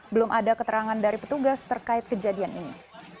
belum ada keterangan dari petugas terkait kejadian ini